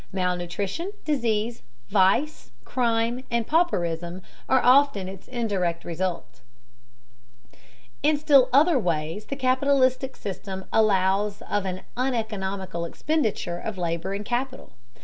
Malnutrition, disease, vice, crime, and pauperism are often its indirect results. In still other ways the capitalistic system allows of an uneconomical expenditure of labor and capital.